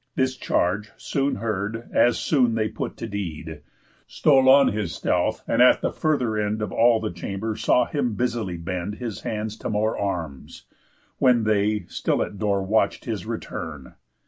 This charge, soon heard, as soon they put to deed, Stole on his stealth, and at the further end Of all the chamber saw him busily bend His hands to more arms, when they, still at door, Watch'd his return.